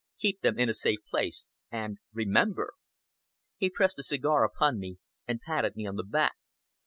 Keep them in a safe place, and remember!" He pressed a cigar upon me, and patted me on the back.